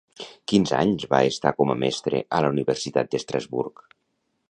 Quins anys va estar com a mestre a la Universitat d'Estrasburg?